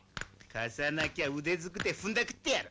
「貸さなきゃ腕ずくでふんだくってやる」